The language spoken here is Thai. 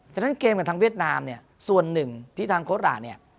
ฉะนั้นเกมกับทางเวียดนามเนี่ยส่วนหนึ่งที่ทางโค้ดราเนี่ย